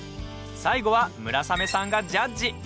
最後は村雨さんがジャッジ。